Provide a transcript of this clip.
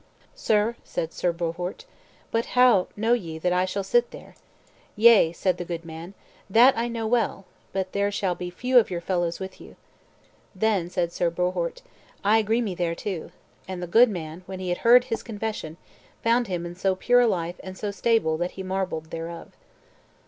"Sir," said Sir Bohort, "but how know ye that I shall sit there?" "Yea," said the good man, "that I know well; but there shall be few of your fellows with you." Then said Sir Bohort, "I agree me thereto" And the good man when he had heard his confession found him in so pure a life and so stable that he marvelled thereof.